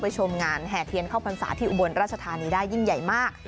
ชมงานแห่เทียนเข้าพรรษาที่อุบลราชธานีได้ยิ่งใหญ่มาก